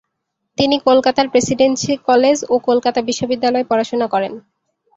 তিনি কলকাতার Presidency College ও কলকাতা বিশ্ববিদ্যালয়ে পড়াশোনা করেন।